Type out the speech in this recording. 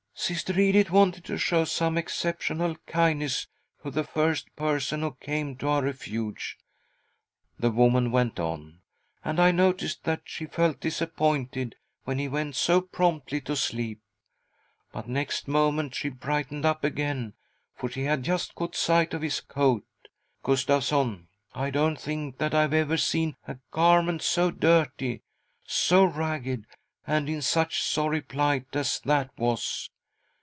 " Sister Edith wanted to show some exceptional kindness to the first person who came to our Refuge," the woman went on, " and I noticed that she felt disappointed when he went so promptly to sleep ; but next moment she brightened up again, for she had just caught sight of his coat. Gustavsson, I don't think I have ever seen a garment so dirty, so ragged, and in such sorry plight as that was